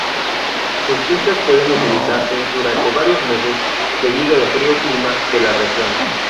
Sus pistas pueden utilizarse durante varios meses debido al frío clima de la región.